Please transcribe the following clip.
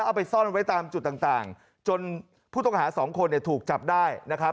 เอาไปซ่อนไว้ตามจุดต่างจนผู้ต้องหาสองคนเนี่ยถูกจับได้นะครับ